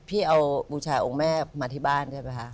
พี่เอาบุญชายองค์แม่มาที่บ้าน